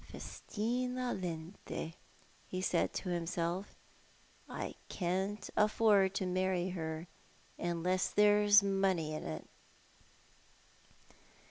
"Festina lente," he said to himself. "I can't afford to marry her unless there's money in it."